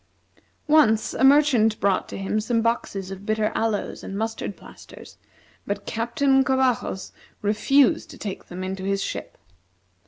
Once a merchant brought to him some boxes of bitter aloes, and mustard plasters, but Captain Covajos refused to take them into his ship.